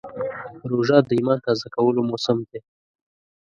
روژه د ایمان تازه کولو موسم دی.